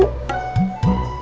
akan dapat sesuatu